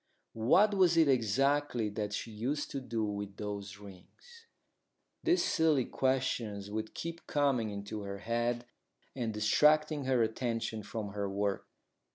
What was it exactly that she used to do with those rings? These silly questions would keep coming into her head and distracting her attention from her work.